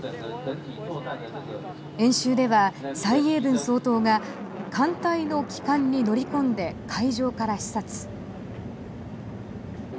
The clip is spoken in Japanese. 演習では蔡英文総統が艦隊の旗艦に乗り込んで海上から視察。